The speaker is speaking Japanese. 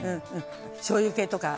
しょうゆ系とか。